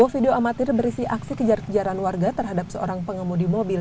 video amatir berisi aksi kejar kejaran warga terhadap seorang pengemudi mobil